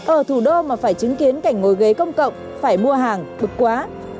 ở thủ đô mà phải chứng kiến cảnh ngồi ghế công cộng phải mua hàng bực quá